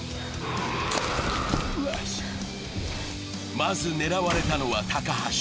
まず狙われたのは高橋。